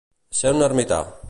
Ser un ermità.